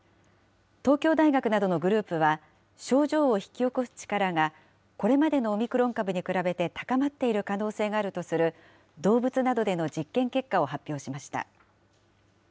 東京大学などのグループは、症状を引き起こす力がこれまでのオミクロン株に比べて高まっている可能性があるとする、動物などでの実験結果を発表しました。